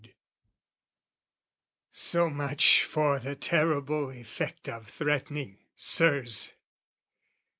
So much For the terrible effect of threatening, Sirs!